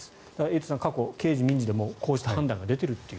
エイトさん、過去刑事、民事でもこういった判断が出ていると。